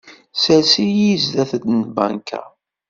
Sers-iyi zzat n lbanka.